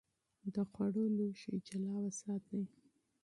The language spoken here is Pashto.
د خوړو لوښي جلا وساتئ.